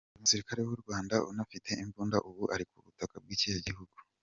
Uyu musirikare w’u Rwanda unafite imbunda ubu ari ku butaka bw’ikihe gihugu?